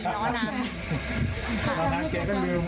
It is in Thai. บูรค่าความเสียหายเป็น๕แสนบาทได้อะค่ะ